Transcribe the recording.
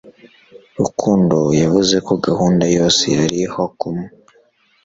Rukundo yavuze ko gahunda yose yari hokum